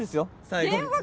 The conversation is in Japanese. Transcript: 最後に。